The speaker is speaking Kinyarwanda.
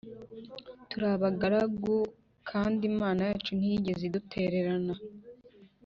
Turi abagaragu o kandi Imana yacu ntiyigeze idutererana